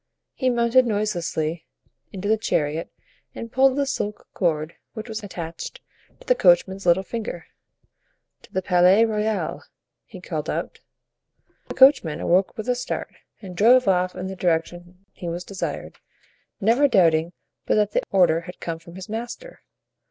He mounted noiselessly into the chariot and pulled the silk cord which was attached to the coachman's little finger. "To the Palais Royal," he called out. The coachman awoke with a start and drove off in the direction he was desired, never doubting but that the order had come from his master.